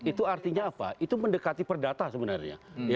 itu artinya apa itu mendekati perdata sebenarnya